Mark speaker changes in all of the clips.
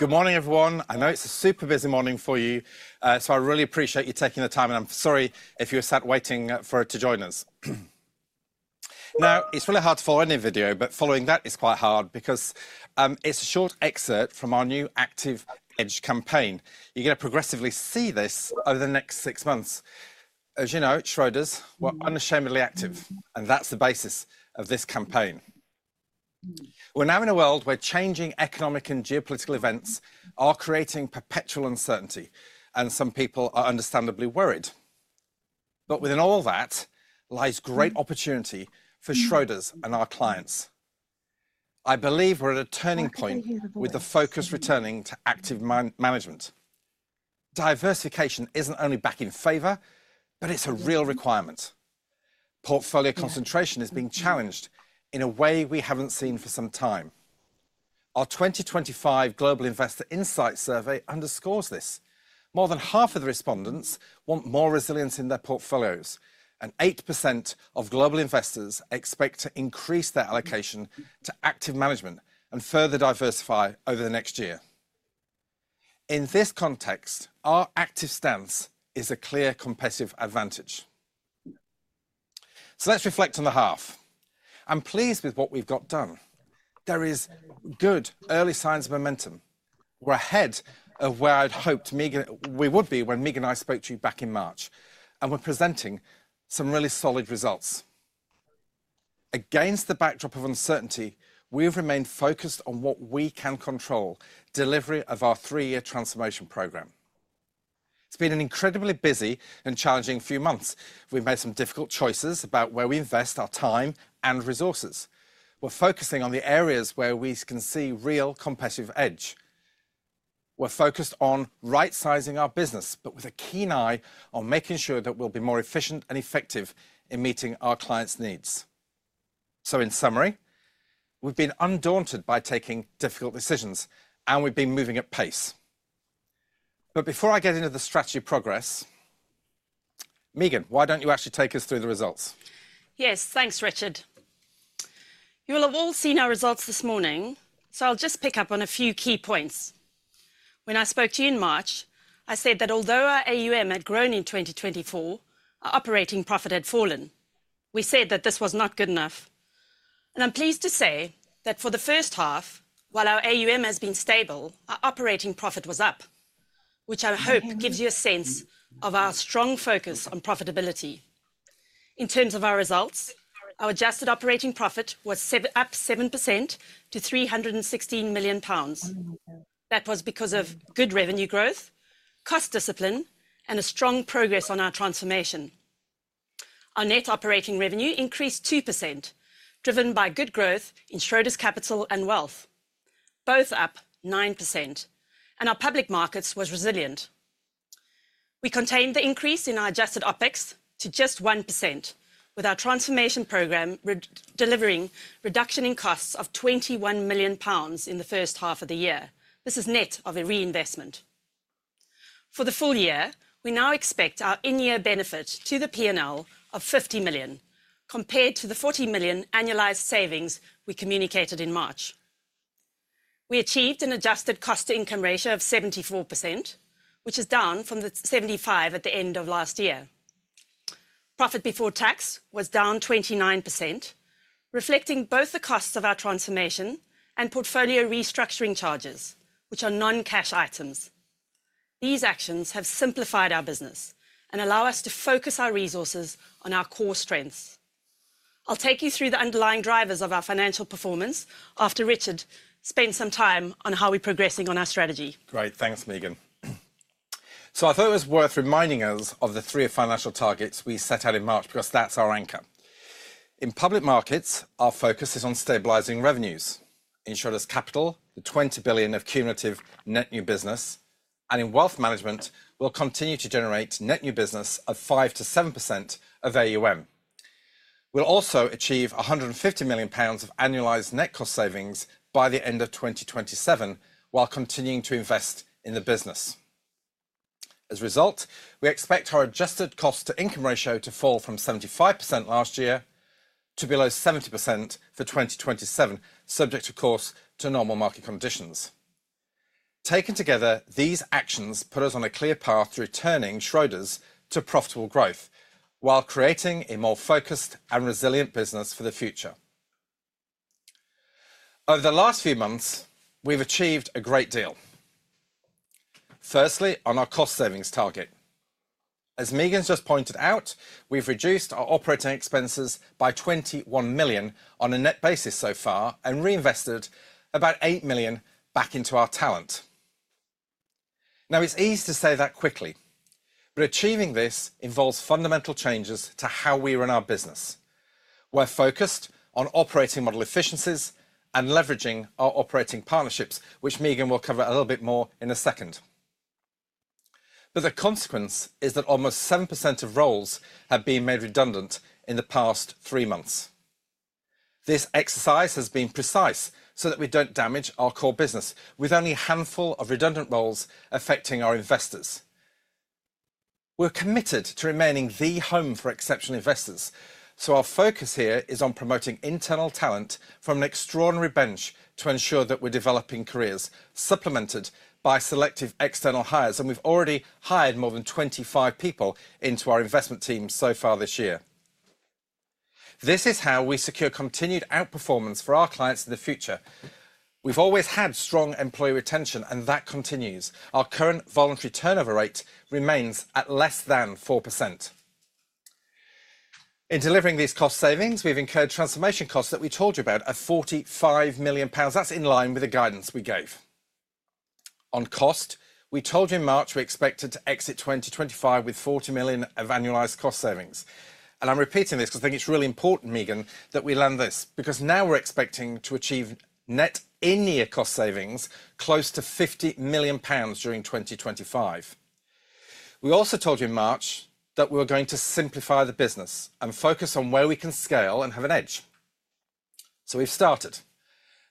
Speaker 1: Good morning everyone. I know it's a super busy morning for you, so I really appreciate you taking the time, and I'm sorry if you're sat waiting for it to join us now. It's really hard to follow any video, but following that is quite hard because it's a short excerpt from our new Active Edge campaign. You're going to progressively see this over the next six months. As you know, Schroders were unashamedly active, and that's the basis of this campaign. We're now in a world where changing economic and geopolitical events are creating perpetual uncertainty, and some people are understandably worried. Within all that lies great opportunity for Schroders and our clients. I believe we're at a turning point with the focus returning to active management. Diversification isn't only back in favor, but it's a real requirement. Portfolio concentration is being challenged in a way we haven't seen for some time. Our 2025 Global Investor Insight survey underscores this. More than half of the respondents want more resilience in their portfolios. 8% of global investors expect to increase their allocation to active management and further diversify over the next year. In this context, our active stance is a clear competitive advantage. Let's reflect on the half. I'm pleased with what we've got done. There is good early signs of momentum. We're ahead of where I'd hoped we would be when Meagen and I spoke to you back in March. We're presenting some really solid results against the backdrop of uncertainty. We've remained focused on what we can control, the delivery of our three-year transformation program. It's been an incredibly busy and challenging few months. We've made some difficult choices about where we invest our time and resources. We're focusing on the areas where we can see real competitive edge. We're focused on right sizing our business, but with a keen eye on making sure that we'll be more efficient and effective in meeting our clients' needs. In summary, we've been undaunted by taking difficult decisions, and we've been moving at pace. Before I get into the strategic progress, Meagen, why don't you actually take us through the results?
Speaker 2: Yes. Thanks Richard. You will have all seen our results this morning, so I'll just pick up on a few key points. When I spoke to you in March, I said that although our AUM had grown in 2024, our operating profit had fallen. We said that this was not good enough and I'm pleased to say that for the first half, while our AUM has been stable, our operating profit was up, which I hope gives you a sense of our strong focus on profitability. In terms of our results, our adjusted operating profit was up 7% to 316 million pounds. That was because of good revenue growth, cost discipline, and strong progress on our transformation. Our net operating revenue increased 2%, driven by good growth in Schroders Capital and Wealth, both up 9%, and our public markets was resilient. We contained the increase in our adjusted OpEx to just 1%, with our transformation program delivering reduction in costs of 21 million pounds in the first half of the year. This is net of a reinvestment for the full year. We now expect our in-year benefit to the P&L of 50 million compared to the 40 million annualized savings we communicated in March. We achieved an adjusted cost-to-income ratio of 74%, which is down from 75% at the end of last year. Profit before tax was down 29%, reflecting both the costs of our transformation and portfolio restructuring charges, which are non-cash items. These actions have simplified our business and allow us to focus our resources on our core strengths. I'll take you through the underlying drivers of our financial performance after Richard spends some time on how we're progressing on our strategy.
Speaker 1: Great. Thanks, Meagen. I thought it was worth reminding us of the three financial targets we set out in March because that's our anchor in public markets. Our focus is on stabilizing revenues, insurers, capital, the 20 billion of cumulative net new business, and in Wealth Management, we'll continue to generate net new business of 5%-7% of AUM. We'll also achieve 150 million pounds of annualized net cost savings by the end of 2027 while continuing to invest in the business. As a result, we expect our adjusted cost-to-income ratio to fall from 75% last year to below 70% for 2027, subject of course to normal market conditions. Taken together, these actions put us on a clear path to returning Schroders to profitable growth while creating a more focused and resilient business for the future. Over the last few months we've achieved a great deal, firstly on our cost savings target. As Meagen just pointed out, we've reduced our operating expenses by 21 million on a net basis so far and reinvested about 8 million back into our talent. It's easy to say that quickly, but achieving this involves fundamental changes to how we run our business. We're focused on operating model efficiencies and leveraging our operating partnerships, which Meagen will cover a little bit more in a second. The consequence is that almost 7% of roles have been made redundant in the past three months. This exercise has been precise so that we don't damage our core business. With only a handful of redundant roles affecting our investors, we're committed to remaining the home for exceptional investors. Our focus here is on promoting internal talent from an extraordinary bench to ensure that we're developing careers supplemented by selective external hires. We've already hired more than 25 people into our investment team so far this year. This is how we secure continued outperformance for our clients in the future. We've always had strong employee retention and that continues; our current voluntary turnover rate remains at less than 4%. In delivering these cost savings, we've incurred transformation costs that we told you about at GBP 45 million. That's in line with the guidance we gave on cost. We told you in March we expected to exit 2025 with 40 million of annualized cost savings. I'm repeating this because I think it's really important, Meagen, that we land this because now we're expecting to achieve net in-year cost savings close to 50 million pounds during 2025. We also told you in March that we were going to simplify the business and focus on where we can scale and have an edge. We have started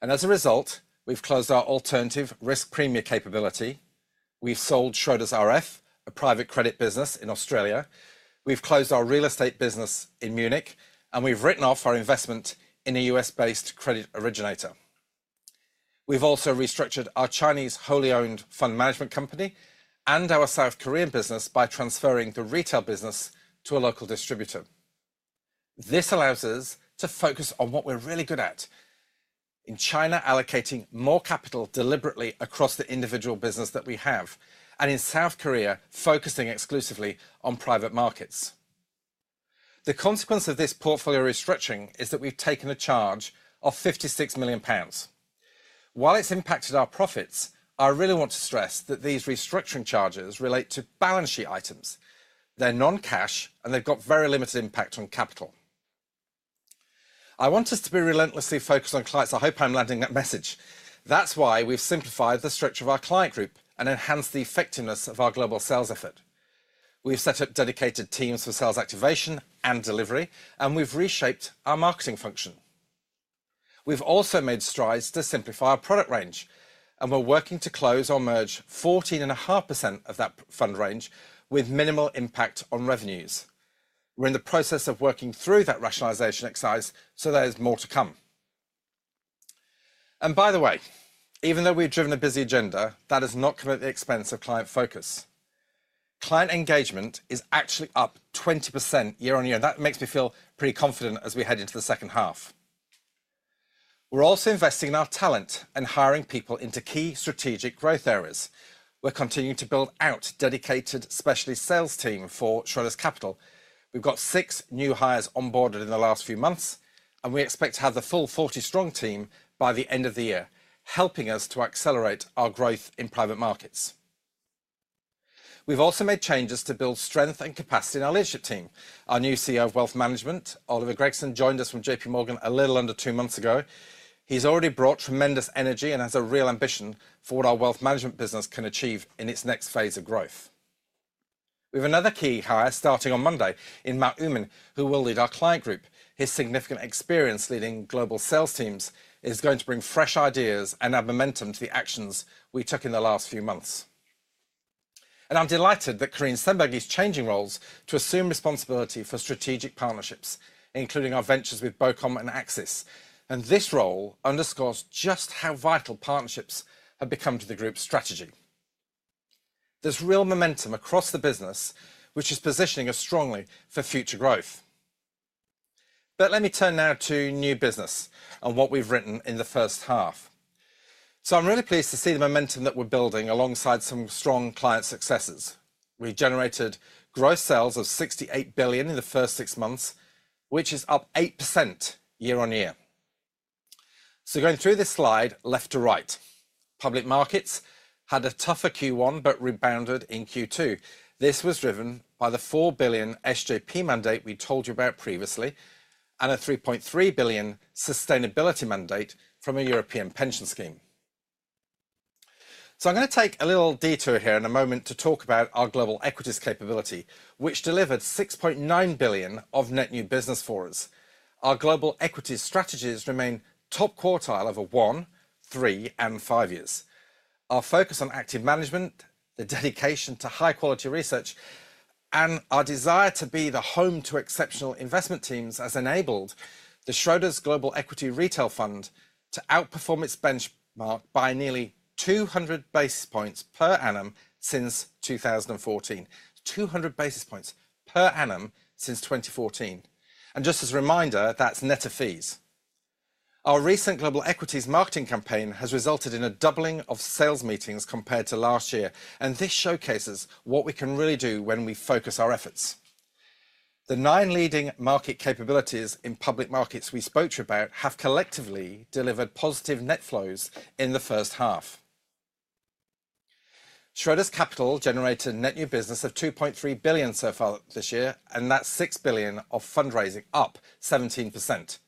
Speaker 1: and as a result we've closed our alternative risk premia capability. We've sold Schroders RF, a private credit business in Australia. We've closed our real estate business in Munich and we've written off our investment in a U.S.-based credit originator. We've also restructured our Chinese wholly owned fund management company and our South Korean business by transferring the retail business to a local distributor. This allows us to focus on what we're really good at in China, allocating more capital deliberately across the individual business that we have. In South Korea, focusing exclusively on private markets. The consequence of this portfolio restructuring is that we've taken a charge of 56 million pounds. While it's impacted our profits, I really want to stress that these restructuring charges relate to balance sheet items. They're non-cash and they've got very limited impact on capital. I want us to be relentlessly focused on clients. I hope I'm landing that message. That's why we've simplified the stretch of our client group and enhanced the effectiveness of our global sales effort. We've set up dedicated teams for sales activation and delivery and we've reshaped our marketing function. We've also made strides to simplify our product range and we're working to close or merge 14.5% of that fund range with minimal impact on revenues. We're in the process of working through that rationalization exercise, so there's more to come. By the way, even though we've driven a busy agenda, that has not come at the expense of client focus. Client engagement is actually up 20% year-on-year. That makes me feel pretty confident. As we head into the second half, we're also investing in our talent and hiring people into key strategic growth areas. We're continuing to build out dedicated specialist sales team for Schroders Capital. We've got six new hires on board in the last few months and we expect to have the full 40 strong team by the end of the year, helping us to accelerate our growth in private markets. We've also made changes to build strength and capacity in our leadership team. Our new CEO of Wealth Management, Oliver Gregson, joined us from JPMorgan a little under two months ago. He's already brought tremendous energy and has a real ambition for what our Wealth Management business can achieve in its next phase of growth. We have another key hire starting on Monday in Matt Oomen, who will lead our client group. His significant experience leading global sales teams is going to bring fresh ideas and momentum to the actions we took in the last few months. I am delighted that Karine Szenberg is changing roles to assume responsibility for strategic partnerships, including our ventures with Bocom and Axis. This role underscores just how vital partnerships have become to the group's strategy. There is real momentum across the business, which is positioning us strongly for future growth. Let me turn now to new business and what we've written in the first half. I am really pleased to see the momentum that we're building alongside some strong client successes. We generated gross sales of $68 billion in the first six months, which is up 8% year-on-year. Going through this slide left to right, public markets had a tougher Q1 but rebounded in Q2. This was driven by the $4 billion SJP mandate we told you about previously and a $3.3 billion sustainability mandate from a European pension scheme. I am going to take a little detour here in a moment to talk about our global equities capability. Which delivered 6.9 billion of net new business for us. Our global equities strategies remain top quartile over 1 year,3 years, and 5 years. Our focus on active management, the dedication to high quality research, and our desire to be the home to exceptional investment teams has enabled the Schroders Global Equity Retail Fund to outperform its benchmark by nearly 200 basis points per annum since 2014. 200 basis points per annum since 2014. Just as a reminder, that's net of fees. Our recent global equities marketing campaign has resulted in a doubling of sales meetings compared to last year. This showcases what we can really do when we focus our efforts. The nine leading market capabilities in public markets we spoke to you about have collectively delivered positive net flows in the first half. Schroders Capital generated net new business of 2.3 billion so far this year, and that's 6 billion of fundraising, up 17%.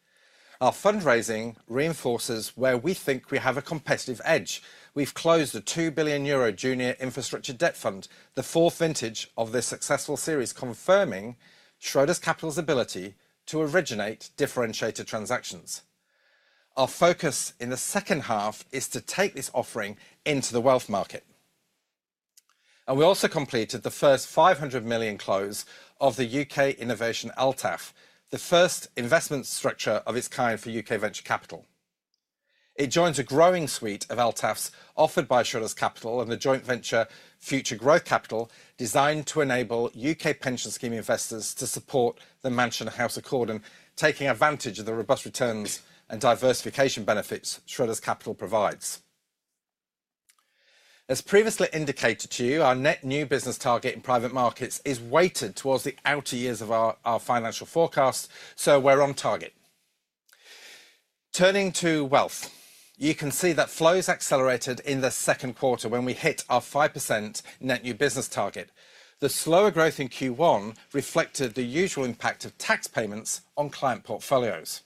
Speaker 1: Our fundraising reinforces where we think we have a competitive edge. We've closed the €2 billion junior infrastructure debt fund, the fourth vintage of this successful series, confirming Schroders Capital's ability to originate differentiated transactions. Our focus in the second half is to take this offering into the wealth market. We also completed the first 500 million close of the U.K. Innovation LTAF, the first investment structure of its kind for U.K. venture capital. It joins a growing suite of LTAFs offered by Schroders Capital and the joint venture Future Growth Capital, designed to enable U.K. pension scheme investors to support the Mansion House Accord and take advantage of the robust returns and diversification benefits Schroders Capital provides. As previously indicated to you, our net new business target in private markets is weighted towards the outer years of our financial forecast, so we're on target. Turning to wealth, you can see that flows accelerated in the second quarter when we hit our 5% net new business target. The slower growth in Q1 reflected the usual impact of tax payments on client portfolios.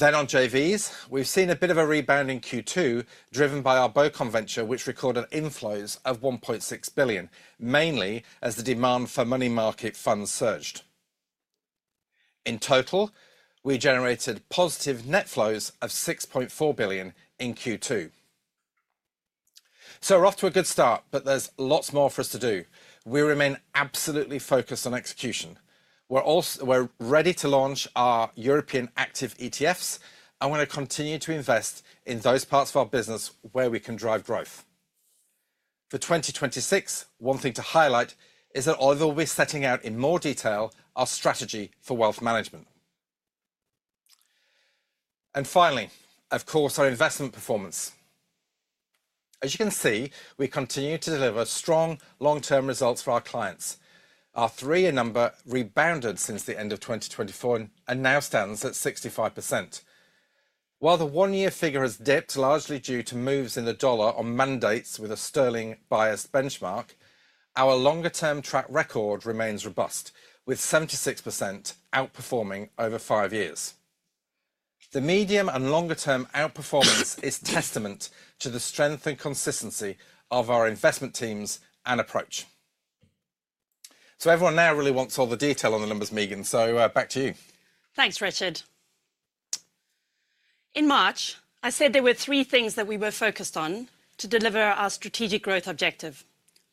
Speaker 1: On JVs, we've seen a bit of a rebound in Q2, driven by our Bocom venture, which recorded inflows of 1.6 billion, mainly as the demand for money market funds surged. In total, we generated positive net flows of 6.4 billion in Q2. We're off to a good start, but there's lots more for us to do. We remain absolutely focused on execution. We're ready to launch our European active ETFs, and we're going to continue to invest in those parts of our business where we can drive growth for 2026. One thing to highlight is that Oliver will be setting out in more detail our strategy for Wealth Management, and finally, of course, our investment performance. As you can see, we continue to deliver strong long-term results for our clients. Our three-year number rebounded since the end of 2024 and now stands at 65%. While the one-year figure has dipped largely due to moves in the dollar on mandates with a sterling-biased benchmark, our longer-term track record remains robust with 76% outperforming over five years. The medium and longer-term outperformance is testament to the strength and consistency of our investment teams and approach. Everyone now really wants all the detail on the numbers. Meagen, back to you.
Speaker 2: Thanks Richard. In March I said there were three things that we were focused on to deliver our strategic growth objective.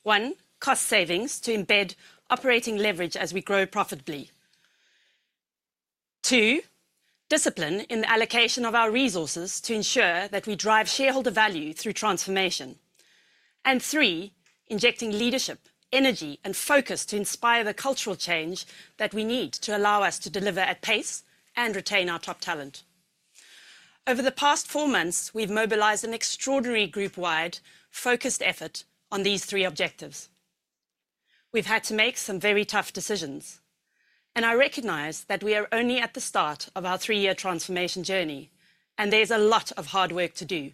Speaker 2: One, cost savings to embed operating leverage as we grow profitably. Two, discipline in the allocation of our resources to ensure that we drive shareholder value through transformation. Three, injecting leadership, energy, and focus to inspire the cultural change that we need to allow us to deliver at pace and retain our top talent. Over the past four months we've mobilized an extraordinary group-wide focused effort on these three objectives. We've had to make some very tough decisions and I recognize that we are only at the start of our three-year transformation journey and there's a lot of hard work to do.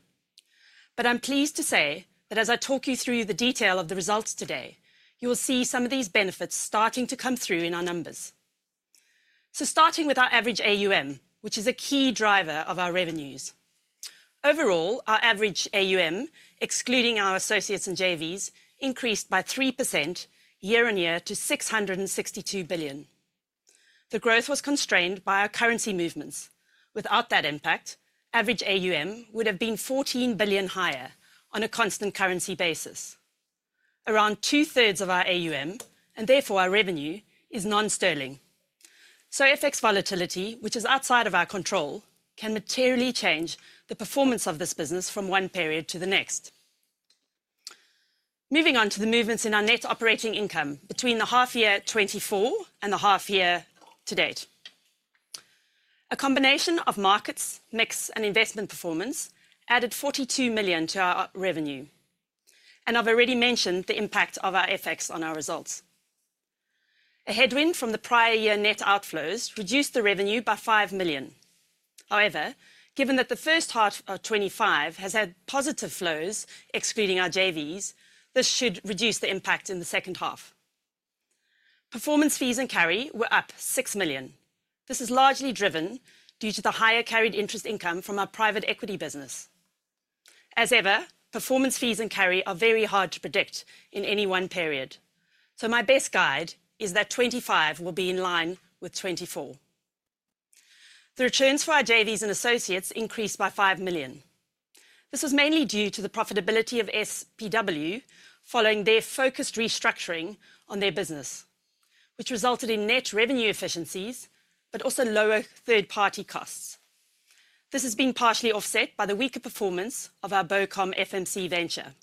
Speaker 2: I'm pleased to say that as I talk you through the detail of the results today, you will see some of these benefits starting to come through in our numbers. Starting with our average AUM, which is a key driver of our revenues, overall, our average AUM excluding our associates and JVs increased by 3% year-on-year to 662 billion. The growth was constrained by our currency movements. Without that impact, average AUM would have been 14 billion higher. On a constant currency basis, around 2/3 of our AUM and therefore our revenue is non-sterling. FX volatility, which is outside of our control, can materially change the performance of this business from one period to the next. Moving on to the movements in our net operating income between the half year 2024 and the half year to date, a combination of markets, mix, and investment performance added 42 million to our revenue. I've already mentioned the impact of our FX on our results. A headwind from the prior year net outflows reduced the revenue by 5 million. However, given that the first half of 2025 has had positive flows excluding our JVs, this should reduce the impact. In the second half, performance fees and carry were up 6 million. This is largely driven due to the higher carried interest income from our private equity business. Performance fees and carry are very hard to predict in any one period. My best guide is that 2025 will be in line with 2024. The returns for JVs and associates increased by 5 million. This was mainly due to the profitability of SPW following their focused restructuring on their business, which resulted in net revenue efficiencies but also lower third-party costs. This has been partially offset by the weaker performance of our Bocom FMC venture.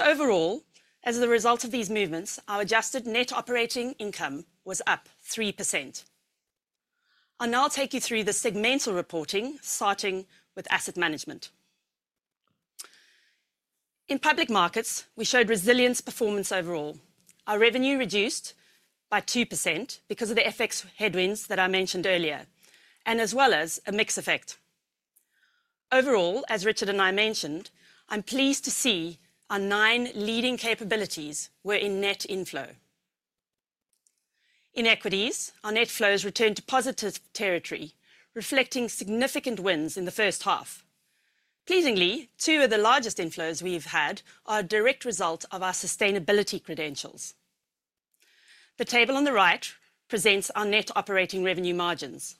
Speaker 2: Overall, as a result of these movements, our adjusted net operating income was up 3%. I'll now take you through the segmental reporting starting with asset management. In public markets, we showed resilience performance. Overall, our revenue reduced by 2% because of the FX headwinds that I mentioned earlier, as well as a mix effect. Overall, as Richard and I mentioned, I'm pleased to see our nine leading capabilities were in net inflow. In equities, our net flows returned to positive territory, reflecting significant wins in the first half. Pleasingly, two of the largest inflows we've had are a direct result of our sustainability credentials. The table on the right presents our net operating revenue margins.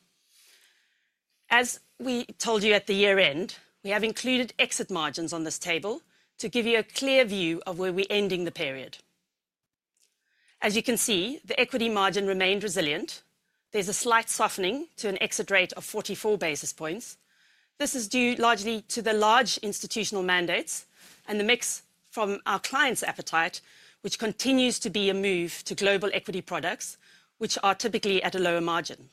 Speaker 2: As we told you at the year end, we have included exit margins on this table to give you a clear view of where we're ending the period. As you can see, the equity margin remained resilient. There's a slight softening to an exit rate of 44 basis points. This is due largely to the large institutional mandates and the mix from our clients' appetite, which continues to be a move to global equity products, which are typically at a lower margin.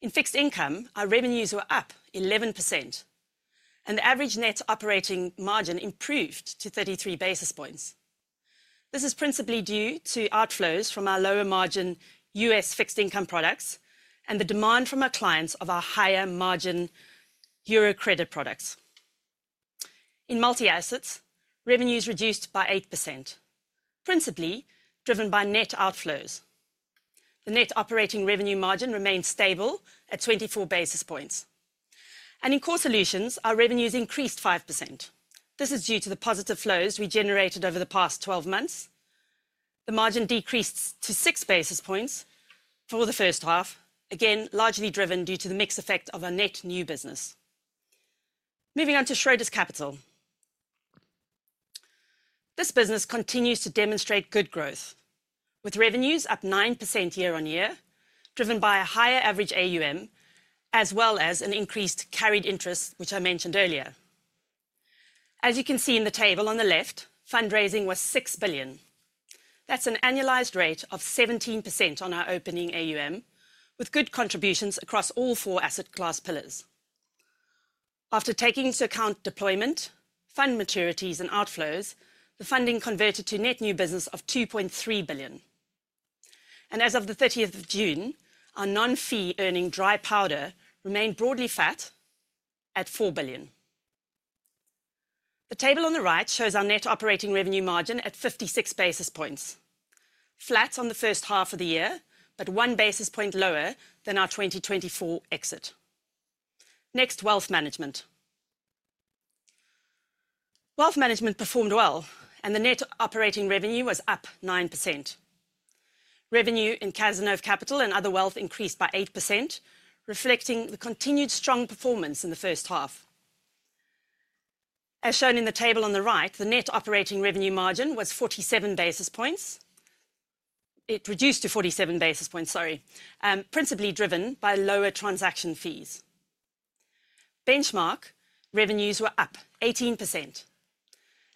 Speaker 2: In fixed income, our revenues were up 11% and the average net operating margin improved to 33 basis points. This is principally due to outflows from our lower margin U.S. fixed income products and the demand from our clients for our higher margin Eurocredit products. In multi-assets, revenues reduced by 8%, principally driven by net outflows. The net operating revenue margin remained stable at 24 basis points, and in core solutions, our revenues increased 5%. This is due to the positive flows we generated over the past 12 months. The margin decreased to 6 basis points for the first half, again largely driven due to the mix effect of our net new business. Moving on to Schroders Capital, this business continues to demonstrate good growth with revenues up 9% year-on-year, driven by a higher average AUM as well as an increased carried interest, which I mentioned earlier. As you can see in the table on the left, fundraising was $6 billion. That's an annualized rate of 17% on our opening AUM with good contributions across all four asset class pillars. After taking into account deployment, fund maturities, and outflows, the funding converted to net new business of $2.3 billion. As of 30 of June, our non-fee earning dry powder remained broadly flat at $4 billion. The table on the right shows our net operating revenue margin at 56 basis points, flat on the first half of the year, but 1 basis point lower than our 2024 exit. Next, Wealth Management. Wealth Management performed well and the net operating revenue was up 9%. Revenue in Cazenove Capital and other wealth increased by 8%, reflecting the continued strong performance in the first half. As shown in the table on the right, the net operating revenue margin was 47 basis points. It reduced to 47 basis points, principally driven by lower transaction fees. Benchmark revenues were up 18%.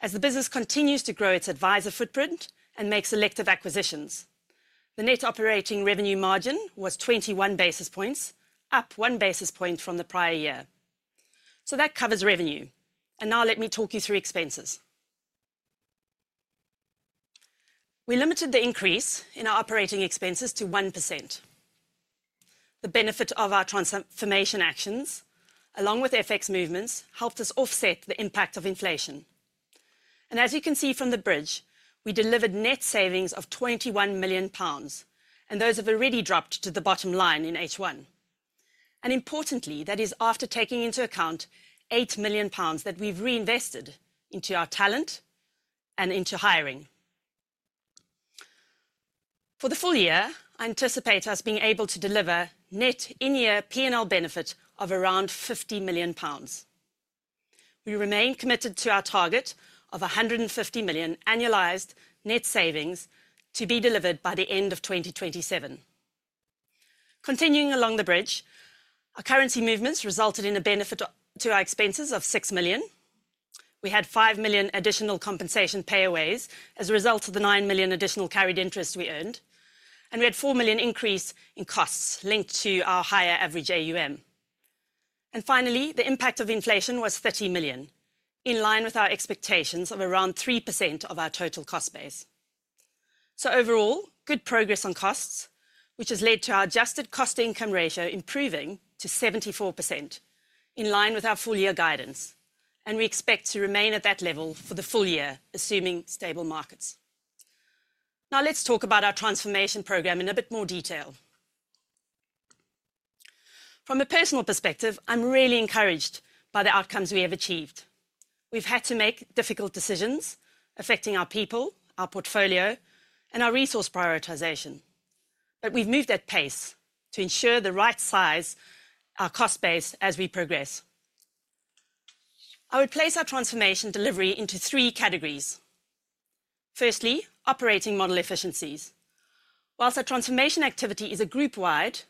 Speaker 2: As the business continues to grow its advisor footprint and make selective acquisitions, the net operating revenue margin was 21 basis points, up 1 basis point from the prior year. That covers revenue. Now let me talk you through expenses. We limited the increase in our operating expenses to 1%. The benefit of our transformation actions along with FX movements helped us offset the impact of inflation. As you can see from the bridge, we delivered net savings of 21 million pounds, and those have already dropped to the bottom line in H1. Importantly, that is after taking into account 8 million pounds that we've reinvested into our talent and into hiring for the full year. I anticipate us being able to deliver net in-year P&L benefit of around 50 million pounds. We remain committed to our target of 150 million annualized net savings to be delivered by the end of 2027. Continuing along the bridge, our currency movements resulted in a benefit to our expenses of 6 million. We had 5 million additional compensation payaways as a result of the 9 million additional carried interest we earned. We had a 4 million increase in costs linked to our higher average AUM. Finally, the impact of inflation was 30 million, in line with our expectations of around 3% of our total cost base. Overall, good progress on costs, which has led to our adjusted cost-to-income ratio improving to 74%, in line with our full year guidance. We expect to remain at that level for the full year, assuming stable markets. Now let's talk about our transformation program in a bit more detail from a personal perspective. I'm really encouraged by the outcomes we have achieved. We've had to make difficult decisions affecting our people, our portfolio, and our resource prioritization, but we've moved at pace to ensure the right size of our cost base. As we progress, I would place our transformation delivery into three categories. Firstly, our operating model efficiencies. Whilst our transformation activity is group wide,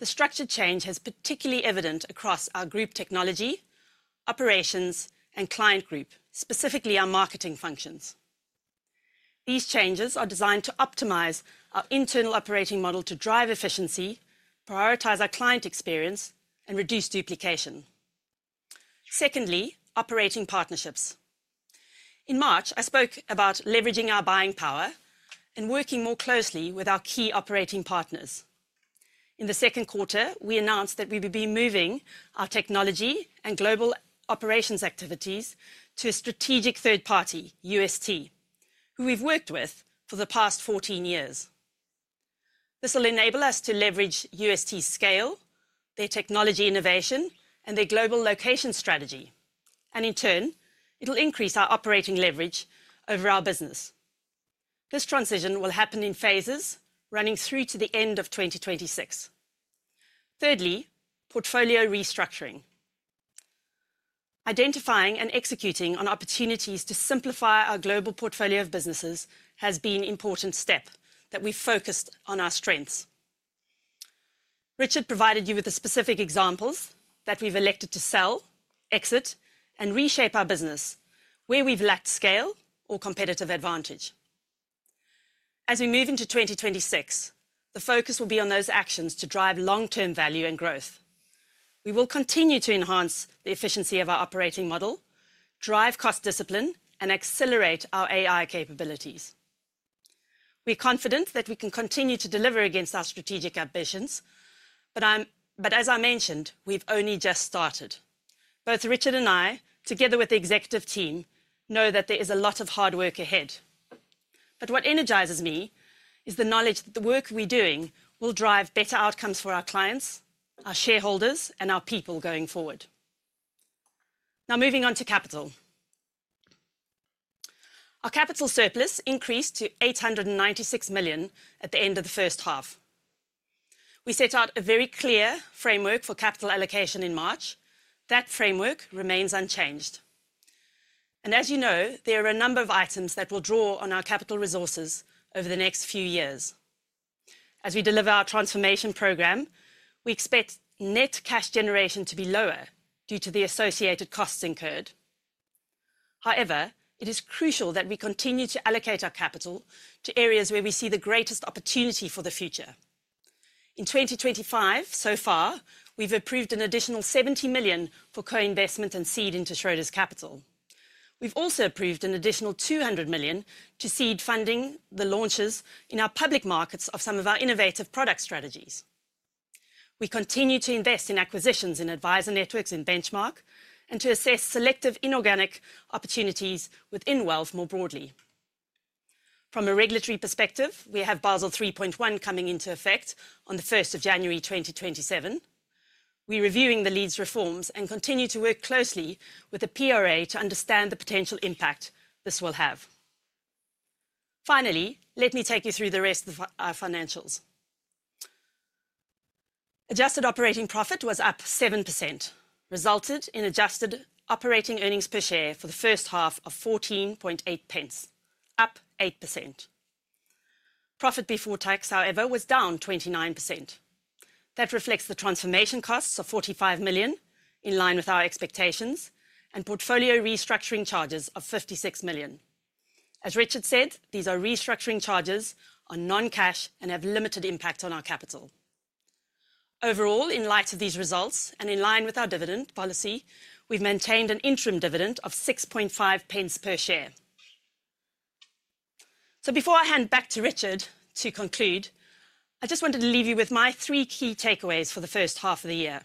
Speaker 2: the structure change is particularly evident across our Group, Technology, Operations and Client Group, specifically our marketing functions. These changes are designed to optimize our internal operating model to drive efficiency, prioritize our client experience and reduce duplication. Secondly, operating partnerships. In March, I spoke about leveraging our buying power and working more closely with our key operating partners. In the second quarter, we announced that we would be moving our Technology and Global Operations activities to a strategic third party, UST, who we've worked with for the past 14 years. This will enable us to leverage UST's scale, their technology innovation and their global location strategy, and in turn it will increase our operating leverage over our business. This transition will happen in phases running through to the end of 2026. Thirdly, portfolio restructuring. Identifying and executing on opportunities to simplify our global portfolio of businesses has been an important step that we focused on our strengths. Richard provided you with the specific examples that we've elected to sell, exit and reshape our business where we've lacked scale or competitive advantage. As we move into 2026, the focus will be on those actions to drive long term value and growth. We will continue to enhance the efficiency of our operating model, drive cost discipline and accelerate our AI capabilities. We're confident that we can continue to deliver against our strategic ambitions. As I mentioned, we've only just started. Both Richard and I, together with the executive team, know that there is a lot of hard work ahead. What energizes me is the knowledge that the work we're doing will drive better outcomes for our clients, our shareholders and our people going forward. Now, moving on to capital, our capital surplus increased to 896 million at the end of the first half. We set out a very clear framework for capital allocation in March. That framework remains unchanged and as you know, there are a number of items that will draw on our capital resources over the next few years as we deliver our transformation program. We expect net cash generation to be lower due to the associated costs incurred. However, it is crucial that we continue to allocate our capital to areas where we see the greatest opportunity for the future. In 2025, so far we've approved an additional 70 million for co-investment and seed into Schroders Capital. We've also approved an additional 200 million to seed funding the launches in our public markets of some of our innovative product strategies. We continue to invest in acquisitions in advisor networks in Benchmark and to assess selective inorganic opportunities within Wealth Management more broadly. From a regulatory perspective, we have Basel 3.1 coming into effect on the 1st of January 2027. We're reviewing the Leeds Reforms and continue to work closely with the PRA to understand the potential impact this will have. Finally, let me take you through the rest of our financials. Adjusted operating profit was up 7%, resulting in adjusted operating earnings per share for the first half of 14.8 pence, up 8%. Profit before tax, however, was down 29%. That reflects the transformation costs of 45 million in line with our expectations and portfolio restructuring charges of 56 million. As Richard said, these are restructuring charges, are non-cash, and have limited impact on our capital overall. In light of these results and in line with our dividend policy, we've maintained an interim dividend of 6.5 pence per share. Before I hand back to Richard to conclude, I just wanted to leave you with my three key takeaways for the first half of the year.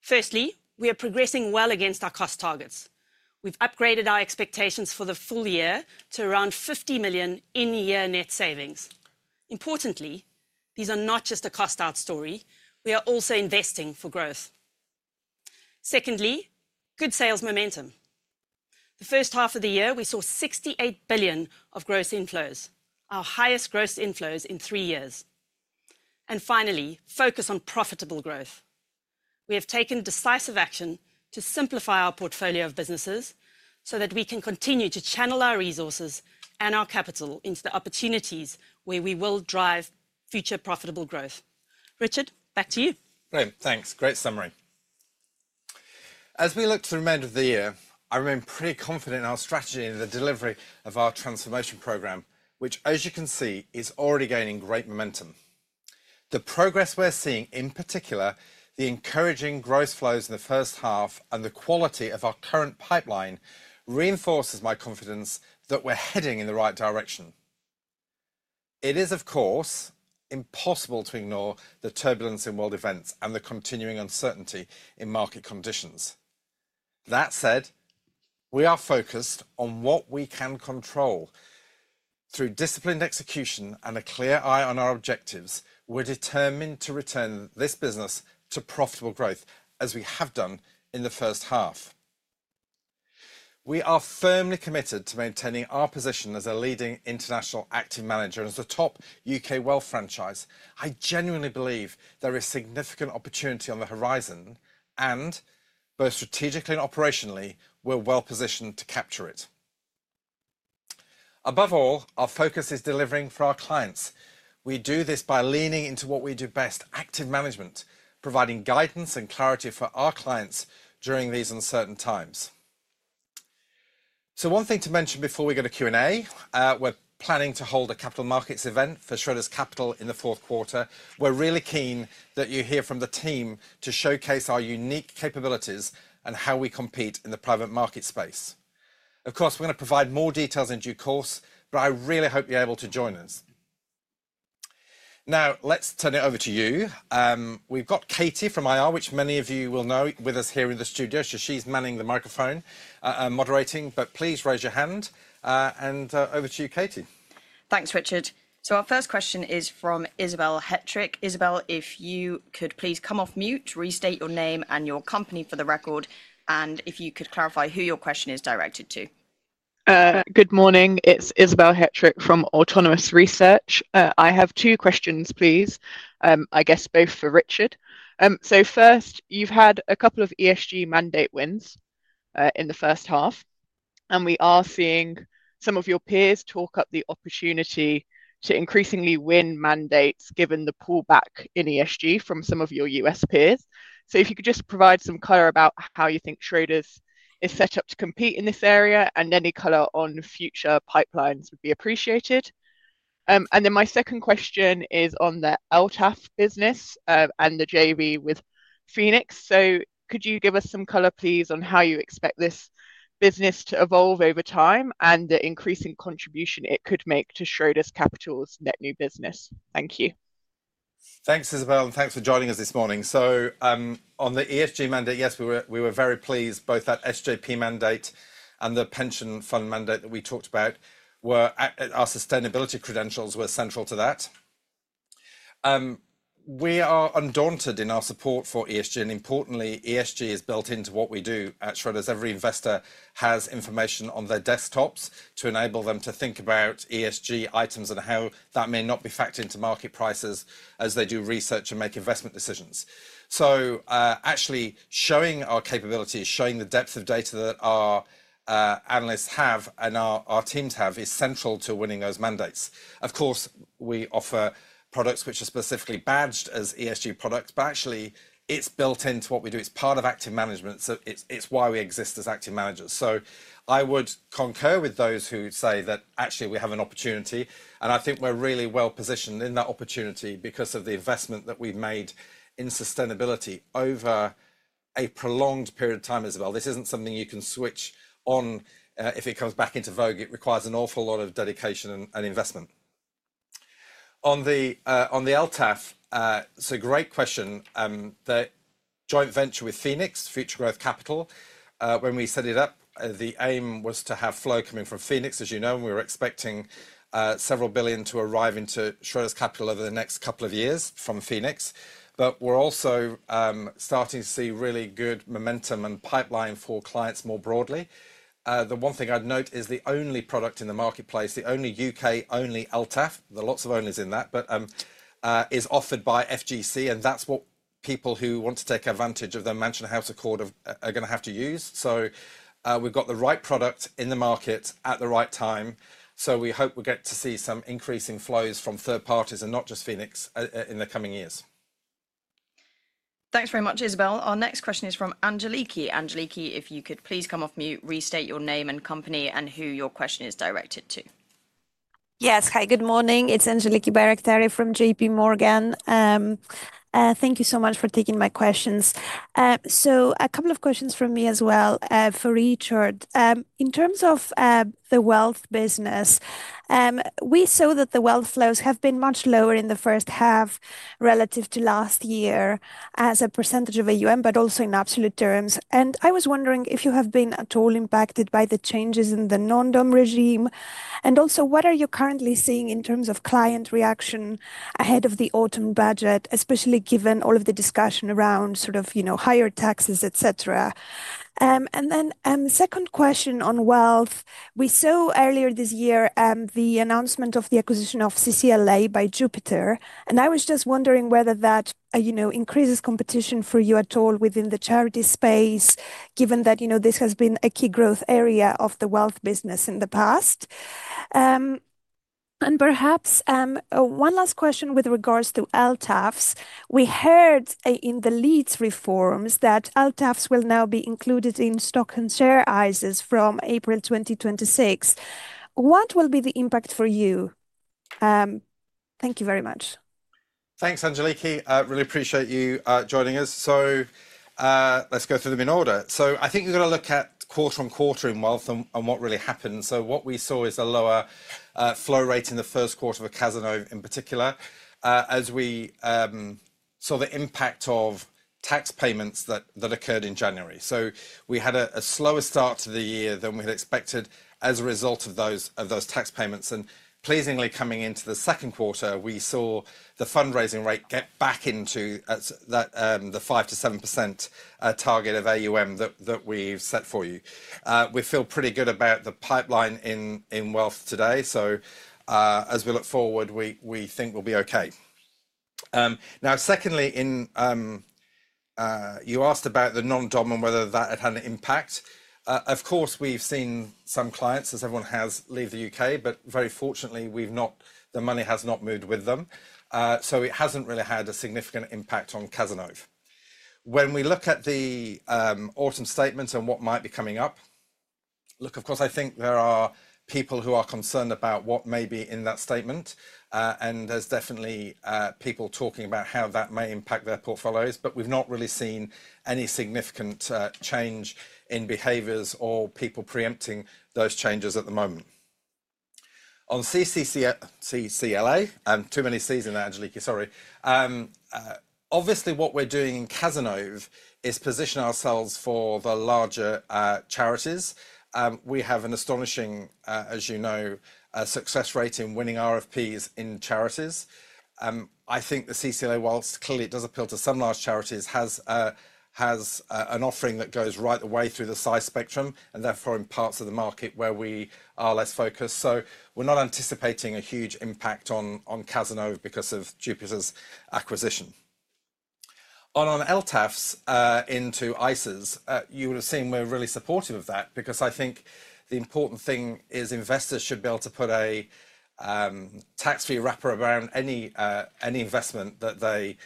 Speaker 2: Firstly, we are progressing well against our cost targets. We've upgraded our expectations for the full year to around 50 million in-year net savings. Importantly, these are not just a cost out story, we are also investing for growth. Secondly, good sales momentum. The first half of the year we saw 68 billion of gross inflows, our highest gross inflows in three years, and finally, focus on profitable growth. We have taken decisive action to simplify our portfolio of businesses so that we can continue to channel our resources and our capital into the opportunities where we will drive future profitable growth. Richard, back to you.
Speaker 1: Great, thanks. Great summary. As we look to the remainder of the year, I remain pretty confident in our strategy in the delivery of our transformation program, which as you can see is already gaining great momentum. The progress we're seeing, in particular the encouraging growth flows in the first half and the quality of our current pipeline, reinforces my confidence that we're heading in the right direction. It is of course impossible to ignore the turbulence in world events and the continuing uncertainty in market conditions. That said, we are focused on what we can control through disciplined execution and a clear eye on our objectives. We're determined to return this business to profitable growth as we have done in the first half. We are firmly committed to maintaining our position as a leading international active manager. As the top U.K. wealth franchise, I genuinely believe there is significant opportunity on the horizon and both strategically and operationally, we're well positioned to capture it. Above all, our focus is delivering for our clients. We do this by leaning into what we do best: active management, providing guidance and clarity for our clients during these uncertain times. One thing to mention before we go to Q&A. We're planning to hold a capital markets event for Schroders Capital in the fourth quarter. We're really keen that you hear from the team to showcase our unique capabilities and how we compete in the private market space. Of course, we're going to provide more details in due course, but I really hope you're able to join us. Now, let's turn it over to you. We've got Katie from IR, which many of you will know, with us here in the studio. She's manning the microphone, moderating, but please raise your hand. And over to you, Katie.
Speaker 3: Thanks, Richard. Our first question is from Isobel Hettrick. Isabel, if you could please come off mute, restate your name and your company for the record, and if you could clarify who your question is directed to.
Speaker 4: Good morning. It's Isobel Hettrick from Autonomous Research. I have two questions, please, I guess both for Richard. First, you've had a couple of ESG mandate wins in the first half and we are seeing some of your peers talk up the opportunity to increasingly win mandates, given the pullback in ESG from some of your U.S. peers. If you could just provide some color about how you think Schroders is set up to compete in this area and any color on future pipelines would be appreciated. My second question is on the LTAF business and the JV with Phoenix. Could you give us some color, please, on how you expect this business to evolve over time and the increasing contribution it could make to Schroders Capital's net new business. Thank you.
Speaker 1: Thanks, Isobel. Thanks for joining us this morning. On the ESG mandate, yes, we were very pleased. Both that SJP mandate and the pension fund mandate that we talked about, where our sustainability credentials were central to that. We are undaunted in our support for ESG. Importantly, ESG is built into what we do at Schroders. Every investor has information on their desktops to enable them to think about ESG items and how that may not be factored into market prices as they do research and make investment decisions. Actually, showing our capabilities, showing the depth of data that our analysts have and our teams have, is central to winning those mandates. Of course, we offer products which are specifically badged as ESG products, but actually it's built into what we do. It's part of active management, it's why we exist as active managers. I would concur with those who say that actually we have an opportunity and I think we're really well positioned in that opportunity because of the investment that we've made in sustainability over a prolonged period of time. Isobel, this isn't something you can switch on if it comes back into vogue. It requires an awful lot of dedication and investment. On the LTAF, it's a great question. The joint venture with Phoenix’s Future Growth Capital, when we set it up, the aim was to have flow coming from Phoenix, as you know, and we were expecting several billion to arrive into Schroders Capital over the next couple of years from Phoenix. We're also starting to see really good momentum and pipeline for clients more broadly. The one thing I'd note is the only product in the marketplace, the only U.K.-only LTAF, there are lots of owners in that, but is offered by FGC and that's what people who want to take advantage of the Mansion House Accord are going to have to use. We've got the right product in the market at the right time. We hope we get to see some increasing flows from third parties and not just Phoenix in the coming years.
Speaker 3: Thanks very much, Isobel. Our next question is from Angeliki. Angeliki, if you could please come off mute, restate your name and company and who your question is directed to.
Speaker 5: Yes, hi, good morning, it's Angeliki Bairaktari from JPMorgan. Thank you so much for taking my questions. A couple of questions from me as well for Richard. In terms of the wealth business, we saw that the wealth flows have been much lower in the first half relative to last year as a percentage of AUM, but also in absolute terms. I was wondering if you have been at all impacted by the changes in the non-dom regime, and also what you are currently seeing in terms of client reaction ahead of the autumn budget, especially given all of the discussion around, you know, higher taxes, etc. My second question on wealth, we saw earlier this year the announcement of the acquisition of CCLA by Jupiter. I was just wondering whether that increases competition for you at all within the charity space, given that this has been a key growth area of the wealth business in the past. Perhaps one last question with regards to LTAFs, we heard in the Leeds Reforms that LTAFs will now be included in stocks and shares ISAs from April 2026. What will be the impact for you? Thank you very much.
Speaker 1: Thanks, Angeliki. Really appreciate you joining us. Let's go through them in order. I think you're going to look at quarter-on-quarter in Wealth and what really happened. What we saw is a lower flow rate in the first quarter of Cazenove in particular as we saw the impact of tax payments that occurred in January. We had a slower start to the year than we had expected as a result of those tax payments. Pleasingly, coming into the second quarter we saw the fundraising rate get back into the 5%-7% target of AUM that we've set for you. We feel pretty good about the pipeline in wealth today, so as we look forward, we think we'll be okay. Now, secondly, you asked about the non-dom and whether that had an impact. Of course we've seen some clients, as everyone has, leave the U.K., but very fortunately the money has not moved with them. It hasn't really had a significant impact on Cazenove. When we look at the autumn statements and what might be coming up, of course I think there are people who are concerned about what may be in that statement and there's definitely people talking about how that may impact their portfolios, but we've not really seen any significant change in behaviors or people preempting those changes at the moment. On CCLA, obviously what we're doing in Cazenove is positioning ourselves for the larger charities. We have an astonishing, as you know, success rate in winning RFPs in charities. I think the CCLA, whilst clearly it does appeal to some large charities, has an offering that goes right the way through the size spectrum and therefore in parts of the market where we are less focused. We're not anticipating a huge impact on Cazenove because of Jupiter's acquisition. On LTAFs into ISAs, you would have seen we're really supportive of that because I think the important thing is investors should be able to put a tax-free wrapper around any investment that they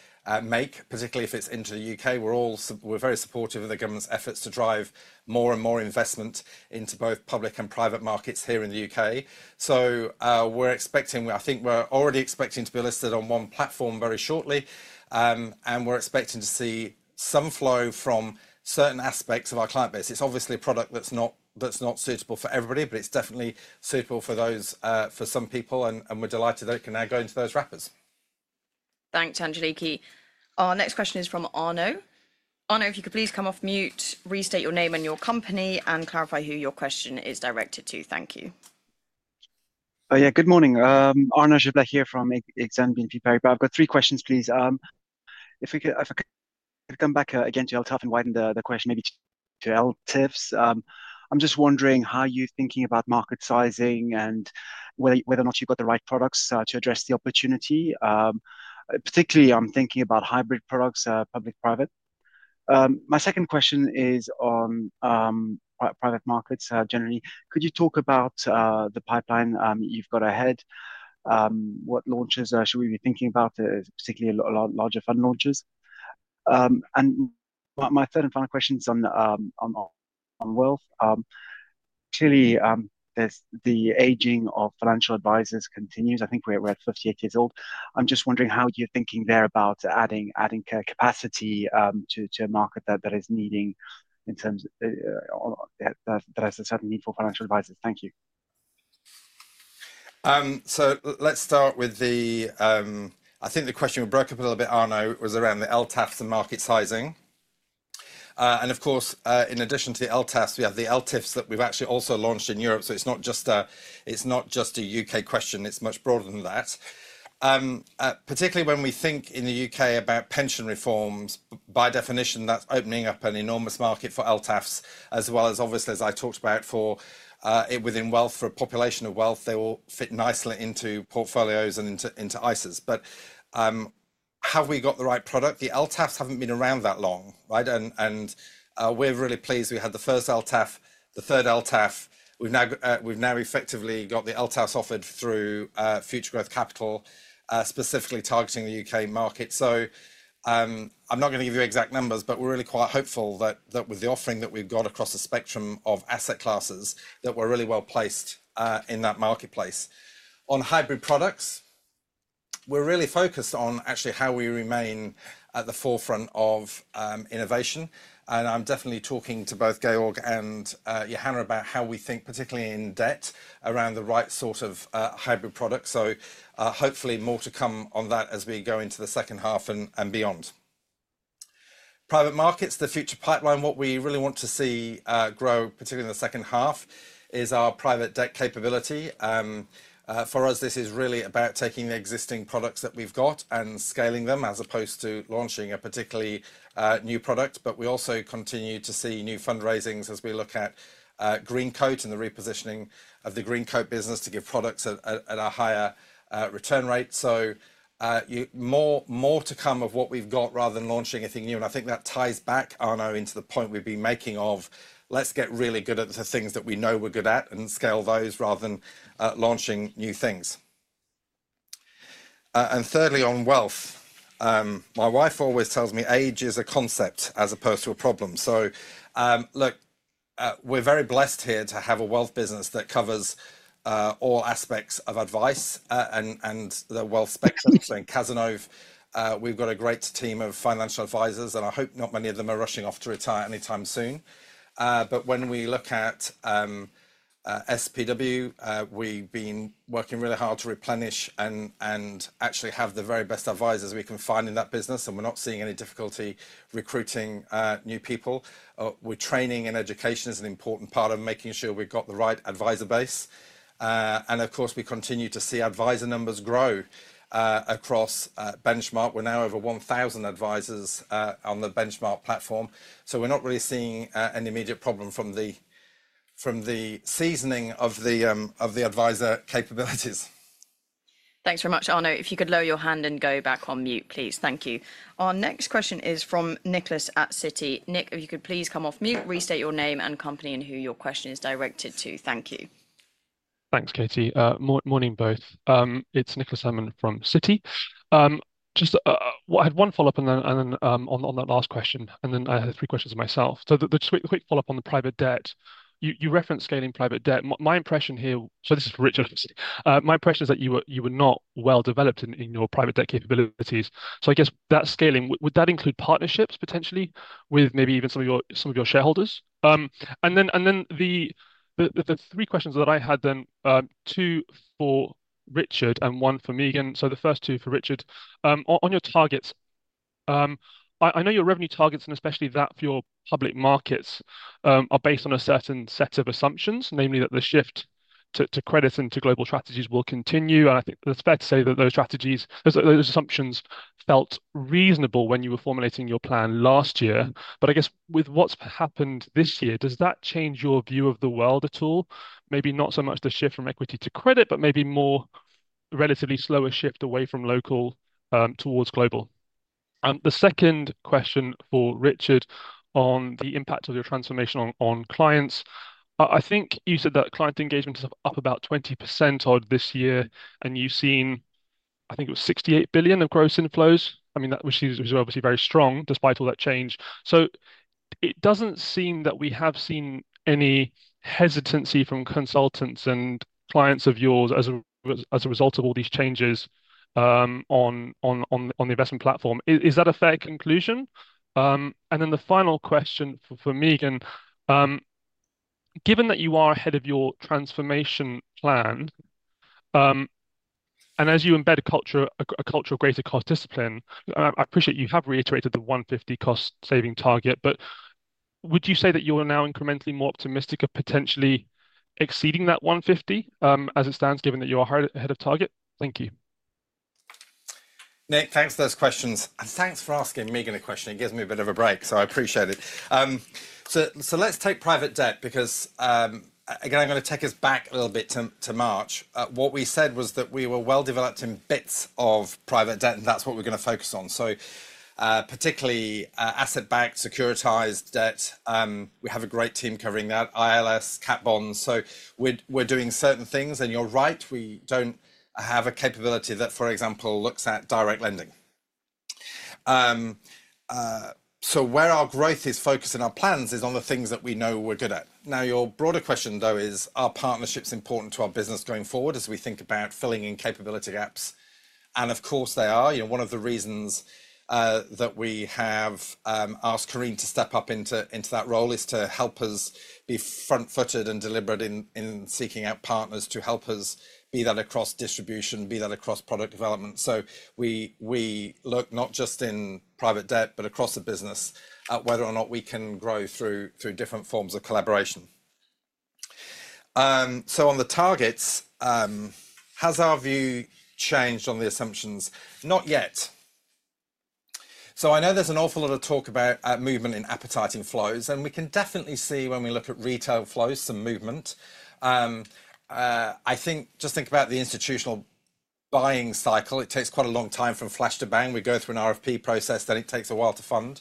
Speaker 1: make, particularly if it's into the U.K. We're very supportive of the government's efforts to drive more and more investment into both public and private markets here in the U.K. We're already expecting to be listed on one platform very shortly and we're expecting to see some flow from certain aspects of our client base. It's obviously a product that's not suitable for everybody, but it's definitely suitable for some people. We're delighted that it can now go into those wrappers.
Speaker 3: Thanks, Angeliki. Our next question is from Arnaud. Arnaud, if you could please come off mute, restate your name and your company, and clarify who your question is directed to. Thank you.
Speaker 6: Oh, yeah, good morning. Arnaud Giblat here from Exane BNP Paribas. I've got three questions, please. If we could come back again to ELTIF and widen the question, maybe. I'm just wondering how you're thinking about market sizing and whether or not you've got the right products to address the opportunity. Particularly, I'm thinking about hybrid products, public, private. My second question is on private markets generally. Could you talk about the pipeline you've got ahead? What launches should we be thinking about, particularly larger fund launches? My third and final question is on wealth. Clearly, the aging of financial advisors continues. I think we're at 58 years old. I'm just wondering how you're thinking there about adding capacity to a market that is needing, in terms that has a certain need for financial advisors. Thank you.
Speaker 1: Let's start with the, I think the question we broke up a little bit, Arnaud, was around the LTAFs and market sizing. Of course, in addition to the LTAFs, we have the ELTIFs that we've actually also launched in Europe. It's not just a U.K. question. It's much broader than that, particularly when we think in the U.K. about pension reforms. By definition, that's opening up an enormous market for LTAFs as well as, obviously, as I talked about for it, within wealth, for a population of wealth, they will fit nicely into portfolios and into ISAs. Have we got the right product? The LTAFs haven't been around that long. We're really pleased we had the first LTAF, the third LTAF. We've now effectively got the LTAF offered through Future Growth Capital, specifically targeting the U.K. market. I'm not going to give you exact numbers, but we're really quite hopeful that with the offering that we've got across the spectrum of asset classes that we're really well placed in that marketplace on hybrid products. We're really focused on actually how we remain at the forefront of innovation. I'm definitely talking to both Georg and Johanna about how we think, particularly in debt, around the right sort of hybrid products. Hopefully more to come on that as we go into the second half and beyond private markets. The future pipeline, what we really want to see grow, particularly in the second half, is our private debt capability. For us, this is really about taking the existing products that we've got and scaling them as opposed to launching a particularly new product. We also continue to see new fundraisings as we look at Greencoat and the repositioning of the Greencoat business to give products at a higher return rate. More to come of what we've got rather than launching anything new. I think that ties back, Arnaud, into the point we've been making of let's get really good at the things that we know we're good at and scale those rather than launching new things. Thirdly, on wealth, my wife always tells me age is a concept as opposed to a problem. We're very blessed here to have a wealth business that covers all aspects of advice and the wealth spectrum. Cazenove, we've got a great team of financial advisors and I hope not many of them are rushing off to retire anytime soon. When we look at SPW, we've been working really hard to replenish and actually have the very best advisors we can find in that business. We're not seeing any difficulty. Recruiting new people with training and education is an important part of making sure we've got the right advisor base. We continue to see advisor numbers grow across Benchmark. We're now over 1,000 advisors on the Benchmark platform, so we're not really seeing an immediate problem from the seasoning of the advisor capabilities.
Speaker 3: Thanks very much. Arnaud, if you could lower your hand and go back on mute, please. Thank you. Our next question is from Nicholas at Citi. Nick, if you could please come off mute, restate your name and company, and who your question is directed to. Thank you.
Speaker 7: Thanks, Katie. Morning both. It's Nicholas Damont from Citi. I had one follow up on that last question, and then I had three questions myself. The quick follow up on the private debt, you referenced scaling private debt. My impression here, so this is Richard, my impression is that you were not well developed in your private debt capabilities. I guess that scaling, would that include partnerships potentially with maybe even some of your shareholders? The three questions that I had then, two for Richard and one for Meagen. The first two for Richard on your targets, I know your revenue targets and especially that for your public markets are based on a certain set of assumptions, namely that the shift to credit and to global strategies will continue. I think that's fair to say that those strategies, those assumptions felt reasonable when you were formulating your plan last year. I guess with what's happened this year, does that change your view of the world at all? Maybe not so much the shift from equity to credit but maybe more relatively slower shift away from local towards global. The second question for Richard on the impact of your transformation on clients, I think you said that client engagement is up about 20% this year and you've seen, I think it was 68 billion of gross inflows, which is obviously very strong despite all that change. It doesn't seem that we have seen any hesitancy from consultants and clients of yours as a result of all these changes on the investment platform. Is that a fair conclusion? The final question for Meagen, given that you are ahead of your transformation plan and as you embed a culture of greater cost discipline, I appreciate you have reiterated the 150 million cost saving target but would you say that you are now incrementally more optimistic of potentially exceeding that 150 million as it stands given that you are ahead of target? Thank you.
Speaker 1: Nick. Thanks for those questions and thanks for asking Meagen a question. It gives me a bit of a break so I appreciate it. Let's take private debt because again I'm going to take us back a little bit to March. What we said was that we were well developed in bits of private debt and that's what we're going to focus on, so particularly asset backed securitized debt. We have a great team covering that, ILS, cat bonds. We're doing certain things and you're right, we don't have a capability that, for example, looks at direct lending. Where our growth is focused in our plans is on the things that we know we're good at. Now your broader question though is are partnerships important to our business going forward as we think about filling in capability gaps? Of course they are. One of the reasons that we have asked Karine to step up into that role is to help us be front footed and deliberate in seeking out partners to help us, be that across distribution, be that across product development. We look not just in private debt but across the business at whether or not we can grow through different forms of collaboration. On the targets, has our view changed on the assumptions? Not yet. I know there's an awful lot of talk about movement in appetite inflows and we can definitely see when we look at retail flows some movement. Just think about the institutional buying cycle. It takes quite a long time from flash to bang. We go through an RFP process, then it takes a while to fund.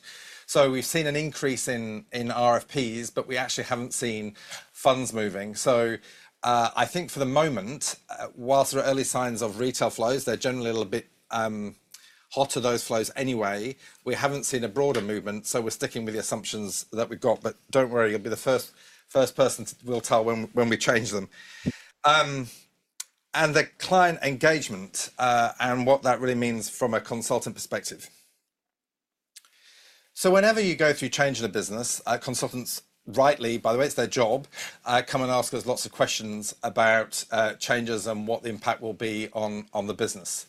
Speaker 1: We've seen an increase in RFPs, but we actually haven't seen funds moving. For the moment, whilst there are early signs of retail flows, they're generally a little bit hotter. Those flows anyway, we haven't seen a broader movement so we're sticking with the assumptions that we've got. Don't worry, you'll be the first person we'll tell when we change them and the client engagement and what that really means from a consultant perspective. Whenever you go through change in a business, consultants, rightly by the way, it's their job, come and ask us lots of questions about changes and what the impact will be on the business.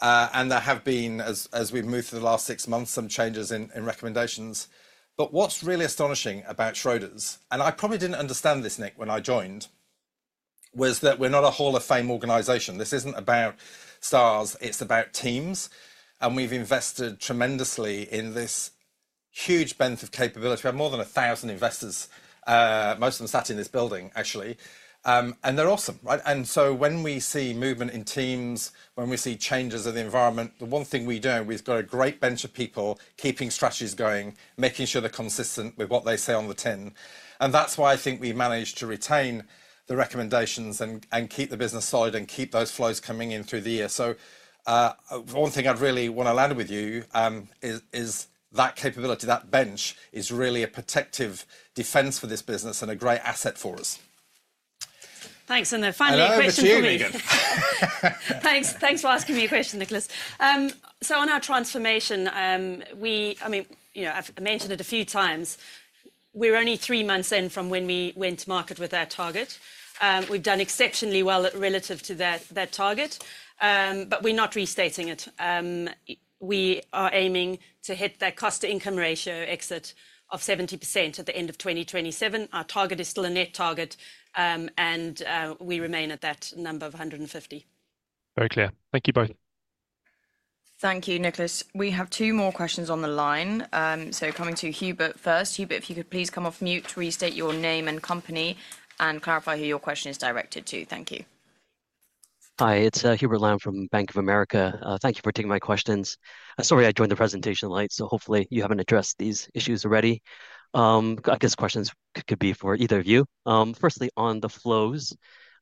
Speaker 1: There have been, as we've moved through the last six months, some changes in recommendations. What's really astonishing about Schroders, and I probably didn't understand this, Nick, when I joined, was that we're not a hall of fame organization. This isn't about stars, it's about teams. We have invested tremendously in this huge bench of capability. More than 1,000 investors, most of them sat in this building actually, and they're awesome. Right. When we see movement in teams, when we see changes in the environment, the one thing we do, we've got a great bench of people keeping strategies going, making sure they're consistent with what they say on the tin. That's why I think we managed to retain the recommendations and keep the business solid and keep those flows coming in through the year. One thing I really want to land with you is that capability, that bench is really a protective defense for this business and a great asset for us.
Speaker 2: Thanks. Finally, a question. Thanks for asking me a question, Nicholas. On our transformation, I've mentioned it a few times, we're only three months in from when we went to market with that target and we've done exceptionally well relative to that target, but we're not restating it. We are aiming to hit that cost-to-income ratio exit of 70% at the end of 2027. Our target is still a net target and we remain at that number of 150.
Speaker 7: Very clear. Thank you both.
Speaker 3: Thank you, Nicholas. We have two more questions on the line. Coming to Hubert first, Hubert, if you could please come off mute to restate your name and company and clarify who your question is directed to. Thank you.
Speaker 8: Hi, it's Hubert Lam from Bank of America. Thank you for taking my questions. Sorry I joined the presentation late, so hopefully you haven't addressed these issues already. I guess questions could be for either of you. Firstly, on the flows,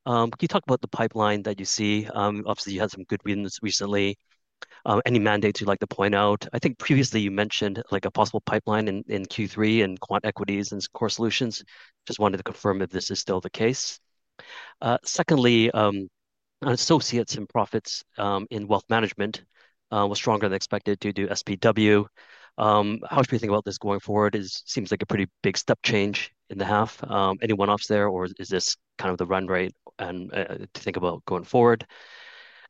Speaker 8: can you talk about the pipeline that you see? Obviously you had some good readings recently. Any mandates you'd like to point out? I think previously you mentioned like a possible pipeline in Q3 and quant equities and core solutions. Just wanted to confirm if this is still the case. Secondly, associates and profits in Wealth Management was stronger than expected due to SPW. How should we think about this going forward? Seems like a pretty big step change in the half. Any one-offs there or is this kind of the run rate to think about going forward?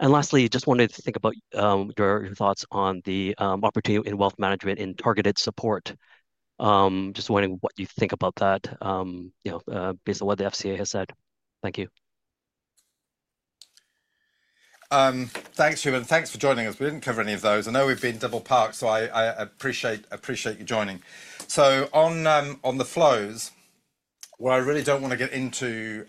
Speaker 8: Lastly, just wanted to think about your thoughts on the opportunity in Wealth Management in targeted support. Just wondering what you think about that, you know, based on what the FCA has said. Thank you.
Speaker 1: Thanks. Thanks for joining us. We didn't cover any of those. I know we've been double parked so I appreciate you joining. On the flows, where I really don't want to get into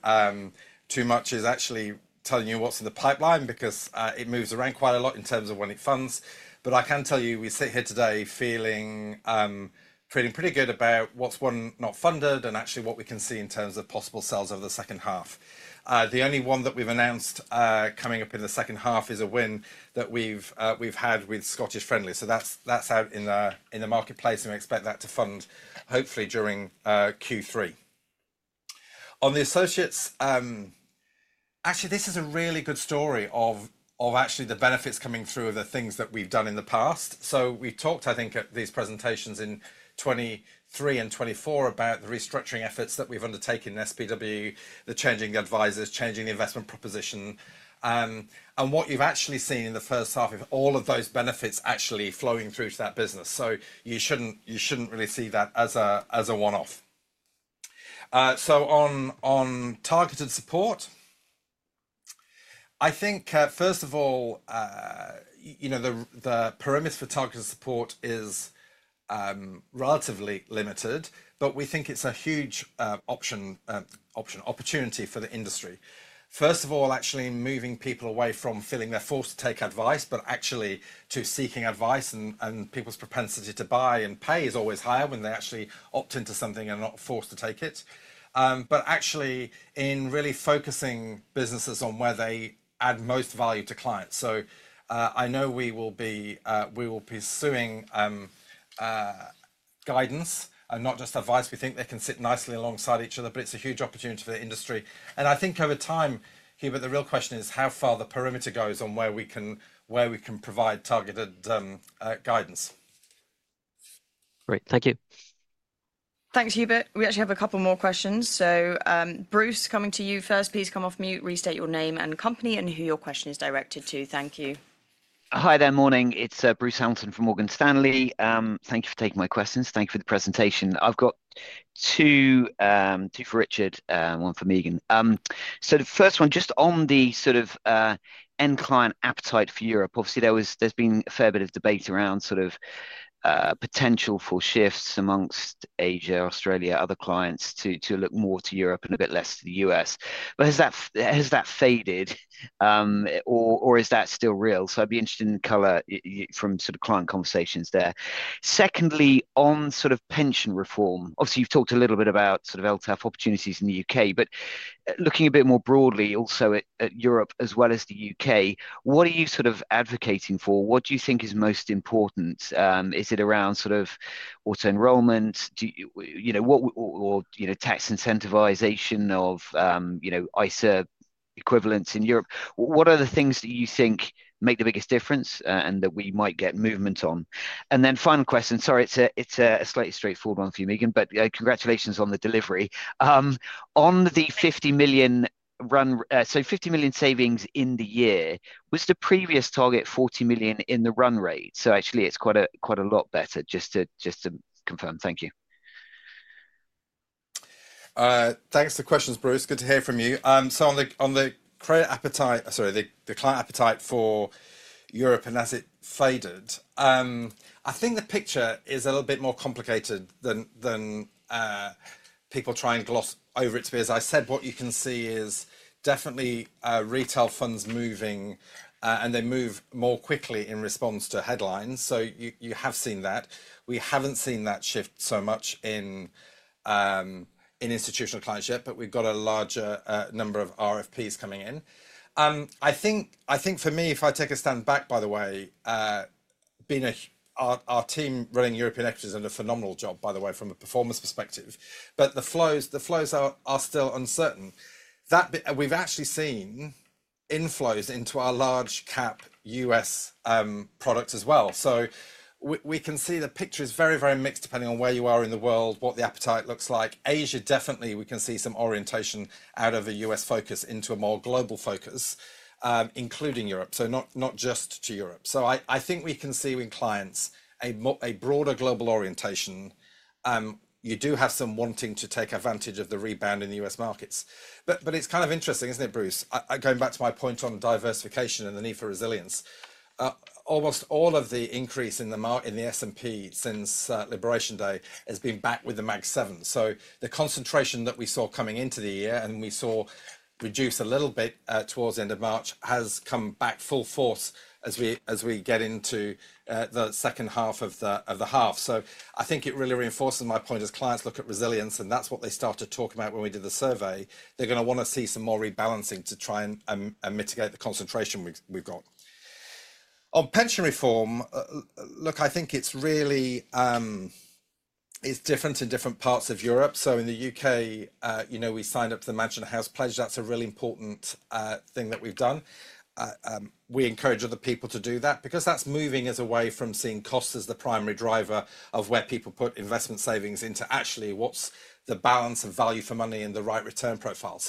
Speaker 1: too much is actually telling you what's in the pipeline because it moves around quite a lot in terms of when it funds. I can tell you we sit here today feeling pretty good about what's one not funded and actually what we can see in terms of possible sales over the second half. The only one that we've announced coming up in the second half is a win that we've had with Scottish Friendly. That's out in the marketplace and we expect that to fund hopefully during Q3. On the associates, this is a really good story of the benefits coming through of the things that we've done in the past. We talked at these presentations in 2023 and 2024 about the restructuring efforts that we've undertaken in SPW, the changing advisors, changing the investment proposition and what you've actually seen in the first half of all of those benefits actually flowing through to that business. You shouldn't really see that as a one off. On targeted support, first of all, the perimeter for targeted support is relatively limited, but we think it's a huge opportunity for the industry, actually moving people away from feeling they're forced to take advice, but actually to seeking advice. People's propensity to buy and pay is always higher when they actually opt into something and not forced to take it, but actually in really focusing businesses on where they add most value to clients. I know we will be pursuing guidance and not just advice. We think they can sit nicely alongside each other, but it's a huge opportunity for the industry and I think over time, Hubert, the real question is how far the perimeter goes on where we can provide targeted guidance.
Speaker 8: Great, thank you.
Speaker 3: Thanks, Hubert. We actually have a couple more questions. Bruce, coming to you first, please come off mute, restate your name and company, and who your question is directed to. Thank you.
Speaker 9: Hi there. Morning. It's Bruce Hamilton from Morgan Stanley. Thank you for taking my questions. Thank you for the presentation. I've got two for Richard, one for Meagen. The first one just on the sort of end client appetite for Europe. Obviously there's been a fair bit of debate around sort of potential for shifts amongst Asia, Australia, other clients to look more to Europe and a bit less to the U.S., but has that faded or is that still real? I'd be interested in color from sort of client conversations there. Secondly, on sort of pension reform, obviously you've talked a little bit about sort of LTAF opportunities in the U.K., but looking a bit more broadly also at Europe as well as the U.K. What are you sort of advocating for? What do you think is most important? Is it around sort of auto enrollment? Tax incentivization of ISA equivalents in Europe? What are the things that you think make the biggest difference and that we might get movement on? Final question, sorry, it's a slightly straightforward one for you, Meagen, but congratulations on the delivery on the 50 million run. So 50 million savings in the year was the previous target, 40 million in the run rate. Actually it's quite a lot better just to confirm. Thank you.
Speaker 1: Thanks for the questions, Bruce, good to hear from you. On the client appetite for Europe and has it faded, I think the picture is a little bit more complicated than people try and gloss over it to be. As I said, what you can see is definitely retail funds moving and they move more quickly in response to headlines. You have seen that. We haven't seen that shift so much in institutional clients yet, but we've got a larger number of RFPs coming in. I think for me, if I take a stand back, by the way, our team running European equities are doing a phenomenal job, by the way, from a performance perspective, but the flows are still uncertain. We've actually seen inflows into our large cap U.S. products as well. The picture is very, very mixed depending on where you are in the world, what the appetite looks like. Asia, definitely. We can see some orientation out of a U.S. focus into a more global focus, including Europe. Not just to Europe, so I think we can see with clients a broader global orientation. You do have some wanting to take advantage of the rebound in the U.S. markets, but it's kind of interesting, isn't it, Bruce, going back to my point on diversification and the need for resilience, almost all of the increase in the market in the S&P since Liberation Day has been back with the Magnificent Seven. The concentration that we saw coming into the year, and we saw reduce a little bit towards the end of March, has come back full force as we get into the second half of the year. I think it really reinforces my point as clients look at resilience and that's what they start to talk about when we did the survey, they're going to want to see some more rebalancing to try and mitigate the concentration. On pension reform, I think it really is different in different parts of Europe. In the U.K., you know, we signed up to the Mansion House pledge. That's a really important thing that we've done. We encourage other people to do that because that's moving us away from seeing costs as the primary driver of where people put investment savings into actually what's the balance of value for money and the right return profile.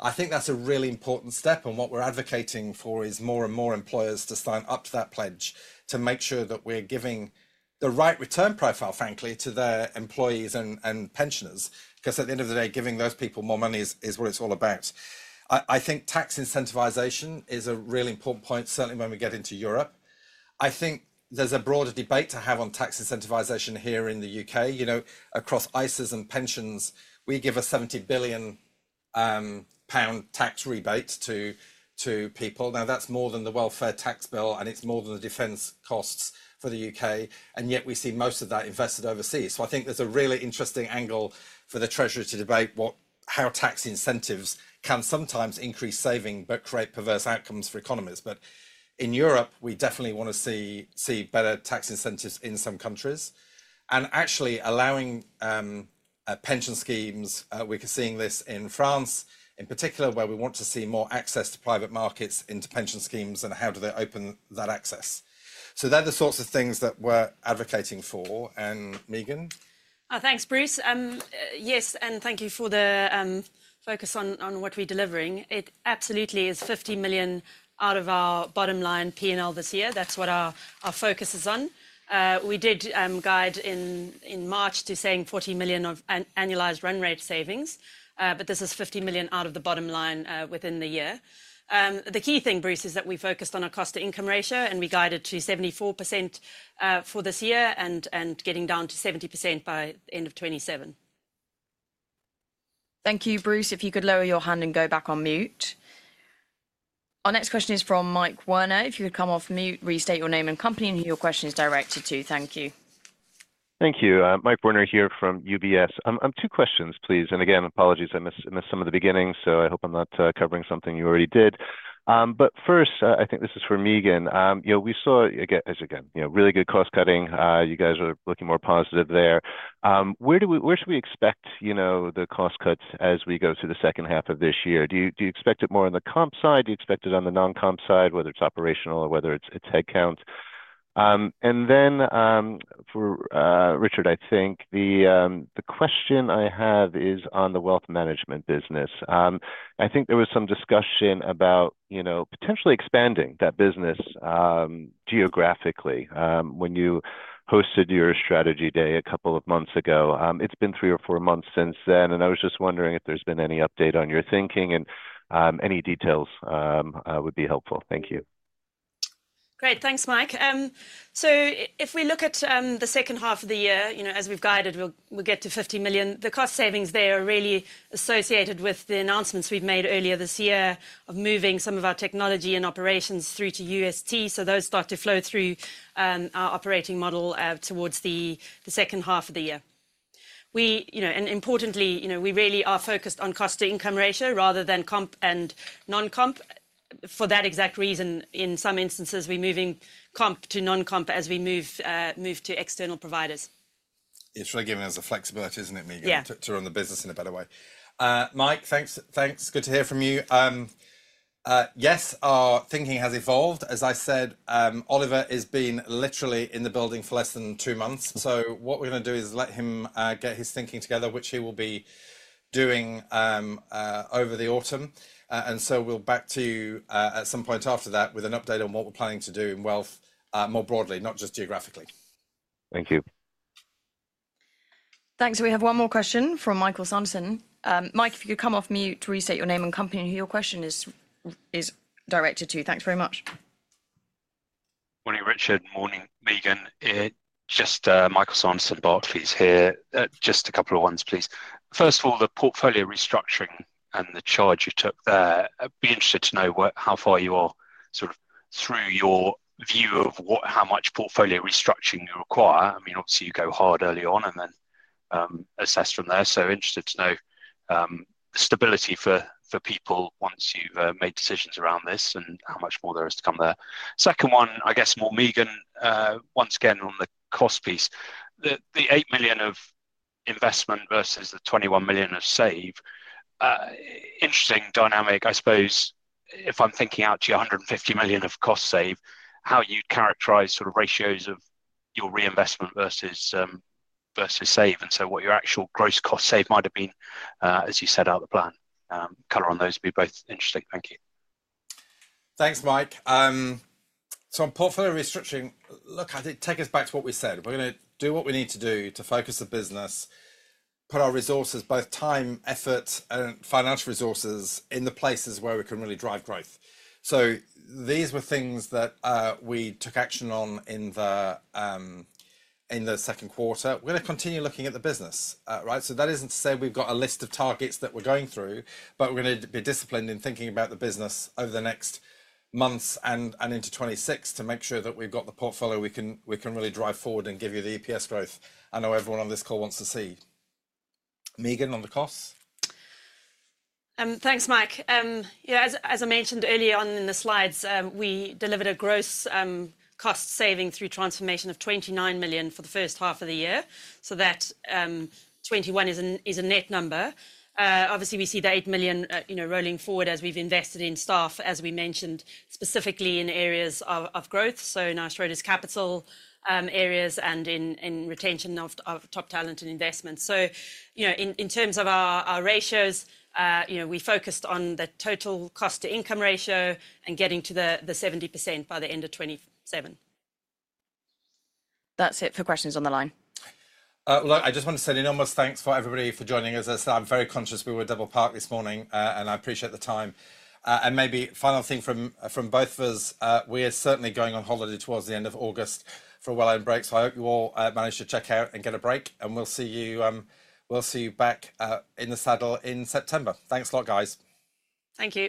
Speaker 1: I think that's a really important step. What we're advocating for is more and more employers to sign up to that pledge to make sure that we're giving the right return profile, frankly, to the employees and pensioners, because at the end of the day, giving those people more money is what it's all about. I think tax incentivization is a really important point. Certainly when we get into Europe, I think there's a broader debate to have on tax incentivization here in the U.K. Across ISAs and pensions, we give a 70 billion pound tax rebate to people. That's more than the welfare tax bill and it's more than the defense costs for the U.K., and yet we see most of that invested overseas. I think there's a really interesting angle for the Treasury to debate how tax incentives can sometimes increase saving but create perverse outcomes for economies. In Europe, we definitely want to see better tax incentives in some countries and actually allowing pension schemes. We're seeing this in France in particular, where we want to see more access to private markets into pension schemes and how do they open that access. They're the sorts of things that we're advocating for. Meagen?
Speaker 2: Thanks Bruce. Yes, and thank you for the focus on what we're delivering. It absolutely is 50 million out of our bottom line P&L this year. That's what our focus is on. We did guide in March to saying 40 million of annualized run rate savings, but this is 50 million out of the bottom line within the year. The key thing, Bruce, is that we focused on our cost-to-income ratio and we guided to 74% for this year and getting down to 70% by end of 2027.
Speaker 3: Thank you, Bruce. If you could lower your hand and go back on mute, our next question is from Mike Werner. If you could come off mute, restate your name and company, and who your question is directed to. Thank you.
Speaker 10: Thank you. Mike Werner here from UBS. Two questions please. Apologies I missed some of the beginning so I hope I'm not covering something you already did. First, I think this is for Meagen. We saw, again, really good cost cutting. You guys are looking more positive there. Where should we expect the cost cuts as we go through the second half of this year? Do you expect it more on the comp side? Do you expect it on the non-comp side, whether it's operational or whether it's headcount? For Richard, I think the question I have is on the Wealth Management business. I think there was some discussion about potentially expanding that business geographically when you hosted your strategy day a couple of months ago. It's been three or four months since then and I was just wondering if there's been any update on your thinking and any details would be helpful. Thank you.
Speaker 11: Great, thanks Mike. If we look at the second half of the year, as we've guided, we'll get to $50 million. The cost savings are really associated with the announcements we've made earlier this year of moving some of our technology and operations through to us, so those start to flow through our operating model. Towards the second half of the year, and importantly, we really are focused on cost-to-income ratio rather than comp and non-comp for that exact reason. In some instances, we're moving comp to non-comp as we move to external providers.
Speaker 10: It's really giving us the flexibility, isn't it, to run the business in a better way.
Speaker 1: Mike, thanks. Thanks. Good to hear from you. Yes, our thinking has evolved. As I said, Oliver has been literally in the building for less than two months. What we're going to do is let him get his thinking together, which he will be doing over the autumn. We'll be back to you at some point after that with an update on what we're planning to do in Wealth Management more broadly, not just geographically.
Speaker 10: Thank you.
Speaker 3: Thanks. We have one more question from Michael Sanderson. Mike, if you could come off mute to restate your name and company, and who your question is directed to. Thanks very much.
Speaker 12: Morning, Richard. Morning, Meagen. Just Michael Sanderson Barclays is here. Just a couple of ones, please. First of all, the portfolio restructuring and the charge you took there. I'd be interested to know how far you are sort of through your view of how much portfolio restructuring you require. I mean, obviously you go hard early on and then assess from there. Interested to know stability for people once you've made decisions around this and how much more there is to come there. Second one, I guess more Meagen, once again on the cost piece, the 8 million of investment versus the 21 million of save. Interesting dynamic, I suppose, if I'm thinking out to your 150 million of cost save, how you characterize sort of ratios of your reinvestment versus save and so what your actual gross cost save might have been as you set out the plan, color on those would be both interesting. Thank you.
Speaker 1: Thanks, Mike. On portfolio restructuring, I did take us back to what we said. We're going to do what we need to do to focus the business, put our resources, both time, effort, and financial resources in the places where we can really drive growth. These were things that we took action on in the second quarter. We're going to continue looking at the business. That isn't to say we've got a list of targets that we're going through, but we're going to be disciplined in thinking about the business over the next months and into 2026 to make sure that we've got the portfolio we can really drive forward and give you the EPS growth. I know everyone on this call wants to see Meagen on the costs.
Speaker 2: Thanks, Mike. Yeah, as I mentioned earlier on in the slides, we delivered a gross cost saving through transformation of 29 million for the first half of the year. That 21 million is a net number. Obviously, we see the 8 million rolling forward as we've invested in staff, as we mentioned, specifically in areas of growth, so Schroders Capital areas and in retention of top talent and investment. In terms of our ratios, we focused on the total cost-to-income ratio and getting to the 70% by the end of 2027.
Speaker 3: That's it for questions on the line.
Speaker 1: Look, I just want to say an enormous thanks for everybody for joining us as I'm very conscious we were double parked this morning and I appreciate the time. Maybe final thing from both of us, we are certainly going on holiday towards the end of August for a well-earned break. I hope you all manage to check out and get a break and we'll see you back in the saddle in September. Thanks a lot, guys.
Speaker 3: Thank you.